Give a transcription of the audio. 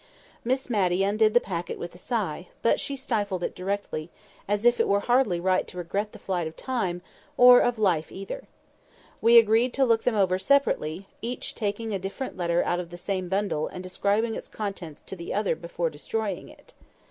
Miss Matty undid the packet with a sigh; but she stifled it directly, as if it were hardly right to regret the flight of time, or of life either. We agreed to look them over separately, each taking a different letter out of the same bundle and describing its contents to the other before destroying it.